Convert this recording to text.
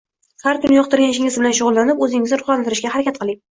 Har kuni yoqtirgan ishingiz bilan shug’ullanib, o’zingizni ruhlantirishga harakat qiling